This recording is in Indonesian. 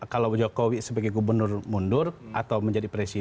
kalau jokowi sebagai gubernur mundur atau menjadi presiden